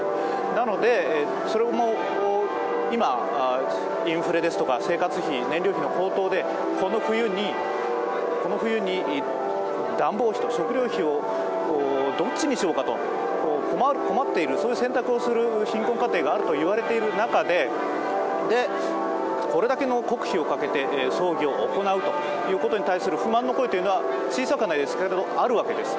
なのでそれを今、インフレですとか生活費、燃料費の高騰で、この冬に暖房費と食料費、どっちにしようかと困っている、そういう選択をする貧困家庭があるといわれている中でこれだけの国費をかけて葬儀を行うということに対する不満の声というものは小さくはないですけどあるわけです。